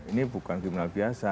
ini bukan kriminal biasa